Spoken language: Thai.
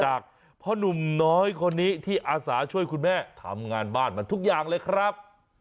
พ่อนุ่มน้อยคนนี้ที่อาสาช่วยคุณแม่ทำงานบ้านมันทุกอย่างเลยครับ